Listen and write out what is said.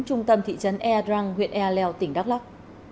trung tâm thị trấn ea drang huyện ea leo tỉnh đắk lắk